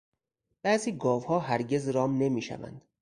بعضی گاوها هرگز رام نمیشوند.